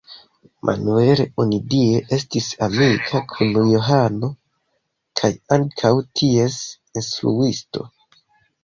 Manuel onidire estis amika kun Johano kaj ankaŭ ties instruisto.